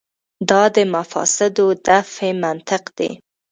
دا د مفاسدو دفع منطق دی.